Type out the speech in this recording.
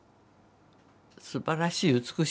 すばらしい美しいの。